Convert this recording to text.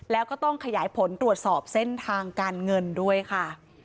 แล้วก็ต้องขยายผลตรวจสอบเส้นทางการเงินด้วยค่ะ